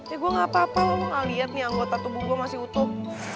eh gue gapapa lo mah liat nih anggota tubuh gue masih utuh